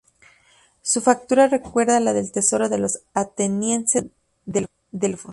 Su factura recuerda la del Tesoro de los atenienses en Delfos.